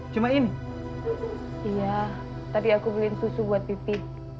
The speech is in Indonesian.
cuma ini iya tadi aku beliin susu buat pipi